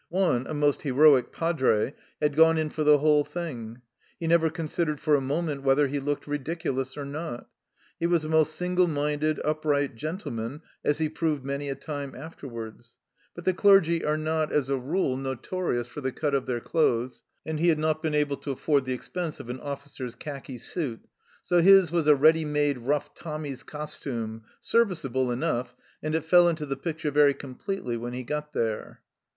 One, a most heroic padre, had gone in for the whole thing. He never considered for a moment whether he looked ridiculous or not ; he was a most single minded, upright gentleman, as he proved many a time afterwards ; but the clergy are not as a rule THE START 3 notorious for the cut of their clothes, and he had not been able to afford the expense of an officer's khaki suit, so his was a ready made rough Tommy's costume, serviceable enough, and it fell into the picture very completely when he "got there."